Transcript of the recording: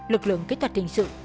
lực lượng kỹ thuật hình sự